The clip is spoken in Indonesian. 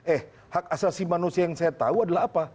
eh hak asasi manusia yang saya tahu adalah apa